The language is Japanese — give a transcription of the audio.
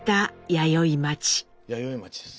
弥生町です。